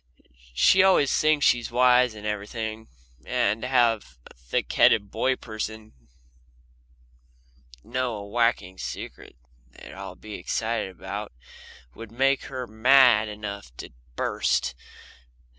She always thinks she's wise to everything, and to have a thick headed boy person know a whacking secret that they'd all be excited about would make her mad enough to burst.